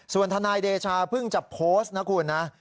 ส่วนทนายเดชาเพิ่งจะโพสต์นะคุณนะ